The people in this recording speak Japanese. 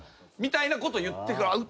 みたいなこと言ってくる。